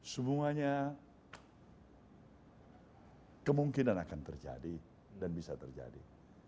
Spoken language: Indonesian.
semuanya kemungkinan akan terjadi dan bisa terjadi